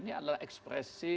ini adalah ekspresi